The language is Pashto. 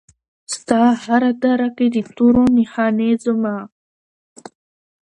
ستا هره دره کې دي د تورو نښانې زما